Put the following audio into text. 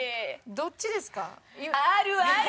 どっちですか？